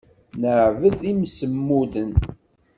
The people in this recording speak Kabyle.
Neɛbed imsemmuden.